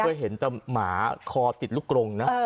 เหมือนจะหมาคอติดลูกกลงนะ